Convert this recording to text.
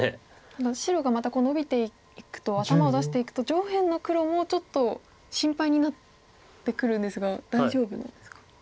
ただ白がまたノビていくと頭を出していくと上辺の黒もちょっと心配になってくるんですが大丈夫なんですか。